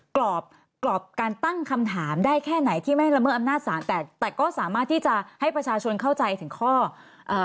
กรอบกรอบการตั้งคำถามได้แค่ไหนที่ไม่ละเมิดอำนาจศาลแต่แต่ก็สามารถที่จะให้ประชาชนเข้าใจถึงข้อเอ่อ